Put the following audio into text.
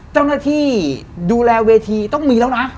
เจ้าหน้าที่ดูแลเวทีต้องมีแล้วนะ